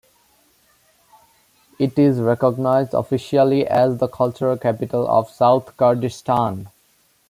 It is recognized officially as the cultural capital of South Kurdistan.